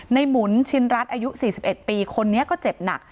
หมุนชินรัฐอายุ๔๑ปีคนนี้ก็เจ็บหนัก